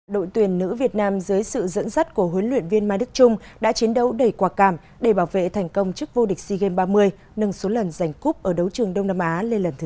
đội tuyển nữ việt nam dưới sự dẫn dắt của huấn luyện viên mai đức trung đã chiến đấu đầy quả cảm để bảo vệ thành công trước vô địch sea games ba mươi nâng số lần giành cúp ở đấu trường đông nam á lên lần thứ sáu